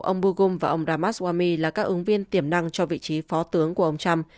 ông boogum và ông ramaswamy là các ứng viên tiềm năng cho vị trí phó tướng của ông trump